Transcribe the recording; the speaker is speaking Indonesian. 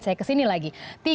saya ke sini lagi